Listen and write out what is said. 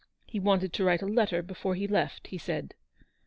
He wanted to write a letter before he left, he said."